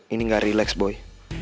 ini gak rileks boy